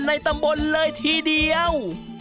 ในตำบลเลยทีเดียว